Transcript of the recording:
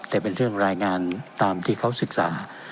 แต่เป็นเรื่องรายงานตามที่เขาศึกษา